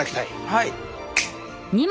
はい。